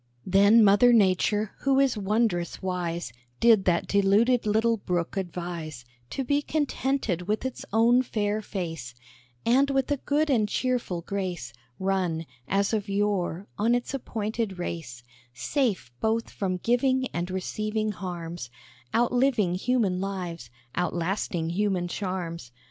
] Then Mother Nature, who is wondrous wise, Did that deluded little Brook advise To be contented with its own fair face, And with a good and cheerful grace, Run, as of yore, on its appointed race, Safe both from giving and receiving harms; Outliving human lives, outlasting human charms.